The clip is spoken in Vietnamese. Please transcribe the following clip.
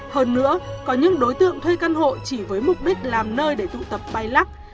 hơn nữa có những đối tượng thuê căn hộ chỉ với mục đích làm nơi để tụ tập bay lắc